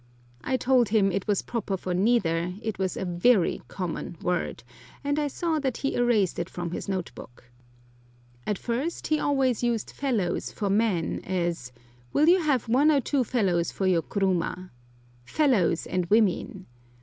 I told him it was proper for neither, it was a very "common" word, and I saw that he erased it from his note book. At first he always used fellows for men, as, "Will you have one or two fellows for your kuruma?" "fellows and women."